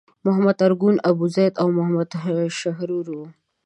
محمد ارګون، ابوزید او محمد شحرور وو.